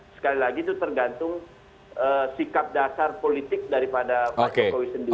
sekali lagi itu tergantung sikap dasar politik daripada pak soekarno persihan dulu